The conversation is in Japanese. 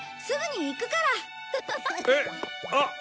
すぐに行くから。